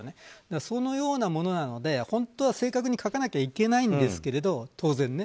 そのようなものなので本当は正確に書かなきゃいけないんですけど当然ね。